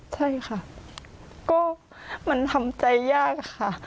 ใช่ค่ะก็มันทำใจยากค่ะ